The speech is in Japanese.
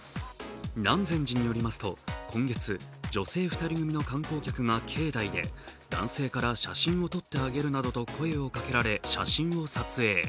南禅寺によりますと、今月女性２人組の観光客が境内で男性から、写真を撮ってあげるなどと声をかけられ写真を撮影。